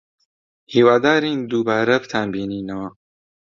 هیوادارین دووبارە بتانبینینەوە.